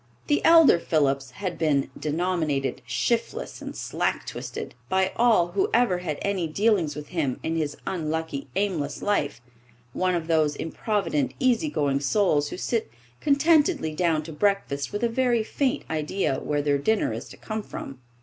The elder Phillips had been denominated "shiftless and slack twisted" by all who ever had any dealings with him in his unlucky, aimless life one of those improvident, easygoing souls who sit contentedly down to breakfast with a very faint idea where their dinner is to come from.